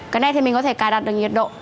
cái này thì mình có thể cài đặt được nhiệt độ